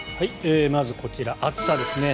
まずこちら、暑さですね。